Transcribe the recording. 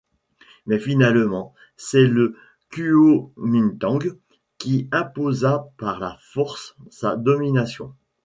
Mais finalement, c'est le Kuomintang qui imposa par la force sa domination.